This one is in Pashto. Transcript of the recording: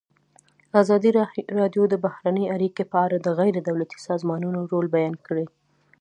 ازادي راډیو د بهرنۍ اړیکې په اړه د غیر دولتي سازمانونو رول بیان کړی.